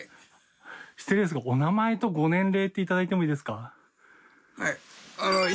失礼ですがお名前とご年齢って頂いてもいいですか？